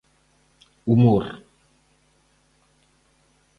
Humor.